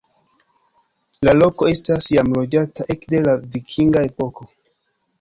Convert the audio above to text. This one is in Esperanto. La loko estas jam loĝata ekde la vikinga epoko.